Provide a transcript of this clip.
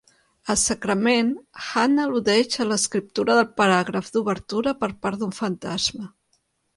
A "Sacrament", Hand al·ludeix a l'escriptura del paràgraf d'obertura per part d'un fantasma.